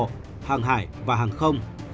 đồng bộ hàng hải và hàng không